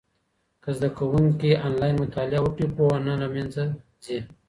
که زده کوونکی انلاین مطالعه وکړي، پوهه نه له منځه ځي.